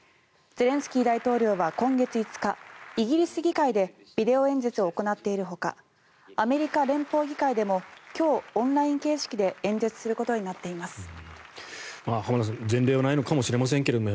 ゼレンスキー大統領は今月５日イギリス議会でビデオ演説を行っているほかアメリカ連邦議会でも今日、オンライン形式で演説することになっています。